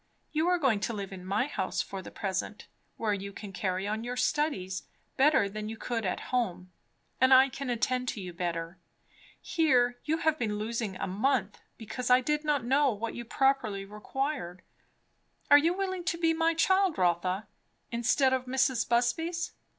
You are going to live in my house for the present, where you can carry on your studies better than you could at home, and I can attend to you better. Here you have been losing a month, because I did not know what you properly required. Are you willing to be my child, Rotha? instead of Mrs. Busby's?